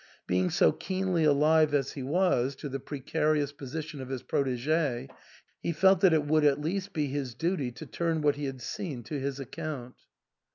Being so keenly alive as he was to the precarious position of his prot/g/y he felt that it would at least be his duty to turn what he had seen to his account.